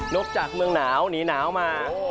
กจากเมืองหนาวหนีหนาวมา